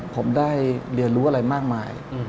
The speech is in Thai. ผมได้เรียนรู้อะไรมากมาย